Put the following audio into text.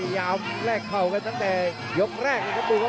ยกแรกเรียบเดือนครับ